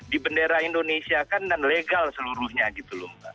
sudah dibenderakan indonesia kan dan legal seluruhnya gitu loh